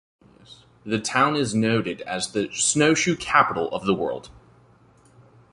The town is noted as "the snowshoe capital of the world".